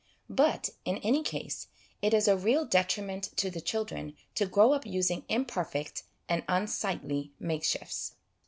But, in any case, it is a real detriment to the children to grow up using imperfect and unsightly makeshifts.